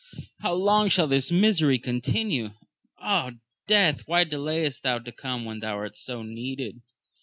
how long shall this misery continue ? Ah, death J why delayest thou to come when thou art so needed